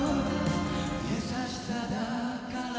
「優しさだから」